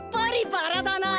バラだなあ。